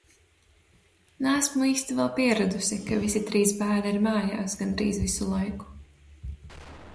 Neesmu īsti vēl pieradusi, ka visi trīs bērni ir mājās gandrīz visu laiku.